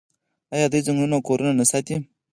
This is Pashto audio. آیا دوی ځنګلونه او کورونه نه ساتي؟